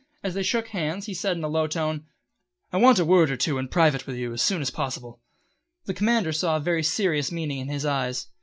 As they shook hands he said in a low tone, "I want a word or two in private with you, as soon as possible." The commander saw a very serious meaning in his eyes.